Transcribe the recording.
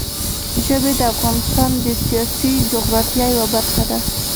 ژبې د افغانستان د سیاسي جغرافیه یوه برخه ده.